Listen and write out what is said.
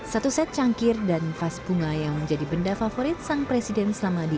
satu set cangkir dan vas bunga yang menjadi benda favorit sang presiden selama di